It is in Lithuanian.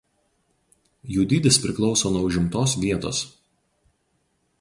Jų dydis priklauso nuo užimtos vietos.